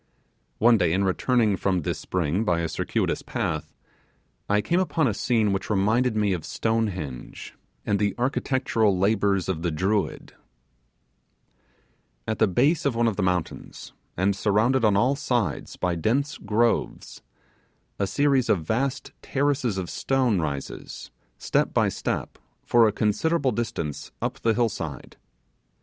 One day in returning from this spring by a circuitous path, I came upon a scene which reminded me of Stonehenge and the architectural labours of the Druids. At the base of one of the mountains, and surrounded on all sides by dense groves, a series of vast terraces of stone rises, step by step, for a considerable distance up the hill side.